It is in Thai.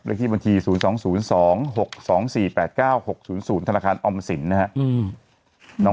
ที่บัญชี๐๒๐๒๖๒๔๘๙๖๐๐ธนาคารออมสินนะครับ